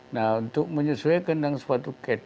nah untuk menyesuaikan dengan sepatu ket